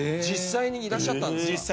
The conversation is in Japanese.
実際にいらっしゃったんですか？